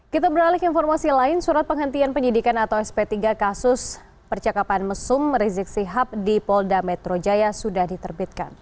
kita beralih ke informasi lain surat penghentian penyidikan atau sp tiga kasus percakapan mesum rizik sihab di polda metro jaya sudah diterbitkan